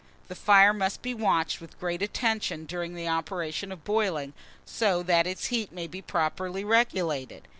THE FIRE MUST BE WATCHED with great attention during the operation of boiling, so that its heat may be properly regulated.